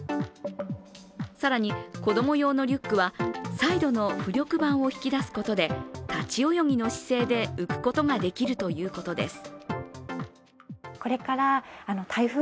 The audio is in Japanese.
更に子供用のリュックはサイドの浮力板を引き出すことで立ち泳ぎの姿勢で浮くことができるということです。